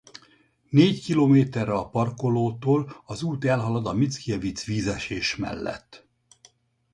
Négy kilométerre a parkolótól az út elhalad a Mickiewicz-vízesés mellett.